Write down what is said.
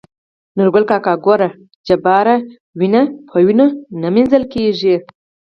نورګل کاکا :ګوره جباره وينه په وينو نه مينځل کيږي.